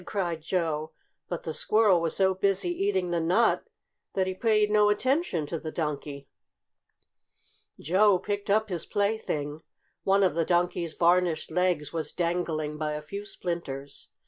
cried Joe. But the squirrel was so busy eating the nut that he paid no attention to the Donkey. Joe picked up his plaything. One of the Donkey's varnished legs was dangling by a few splinters.